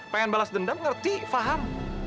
pengen balas dendam ngerti faham